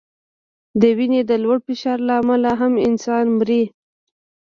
د وینې د لوړ فشار له امله هم انسانان مري.